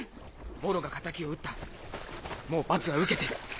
モロが敵を討ったもう罰は受けてる。